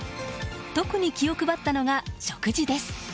特に気を配ったのが食事です。